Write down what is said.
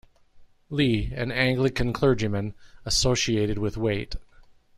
Lee, an Anglican clergyman, associated with Waite.